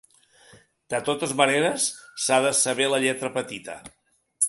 De totes maneres, s’ha de saber la lletra petita.